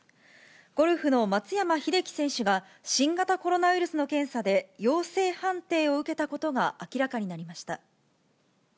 ゴルフの松山英樹選手が、新型コロナウイルスの検査で陽性判定を受けたことが明らかになりました。